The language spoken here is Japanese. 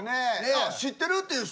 知ってるっていう人は。